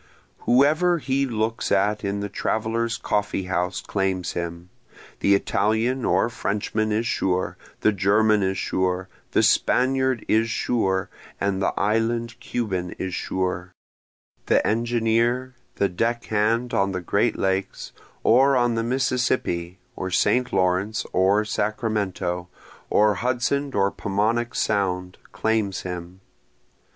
Whoever he looks at in the traveler's coffee house claims him, The Italian or Frenchman is sure, the German is sure, the Spaniard is sure, and the island Cuban is sure, The engineer, the deck hand on the great lakes, or on the Mississippi or St. Lawrence or Sacramento, or Hudson or Paumanok sound, claims him.